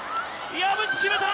岩渕決めた。